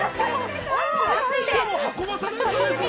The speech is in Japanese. しかも運ばされるのか。